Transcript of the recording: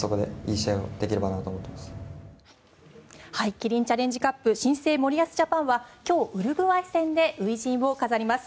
キリンチャレンジカップ新生森保ジャパンは今日、ウルグアイ戦で初陣を飾ります。